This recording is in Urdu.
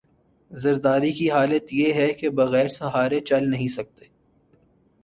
زرداری کی حالت یہ ہے کہ بغیر سہارے چل نہیں سکتے۔